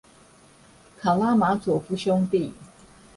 卡拉馬佐夫兄弟